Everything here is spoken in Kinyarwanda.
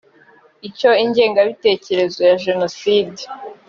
icy ingengabitekerezo ya jenoside